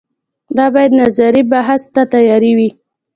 دا باید نظري بحث ته تیارې وي